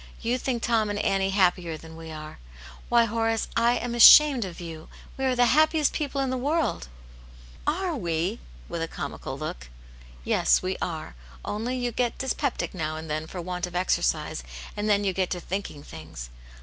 You think Tom and Annie happier thatv we are* Why, Horace Aunt Jane's Hero. 179 I am ashamed of you ! Wc are the happiest people in the world." " Are we ?" with a comical look. " Yes, we are. Only you get dyspeptic now and then for want of exercise, and then you get to think ing things.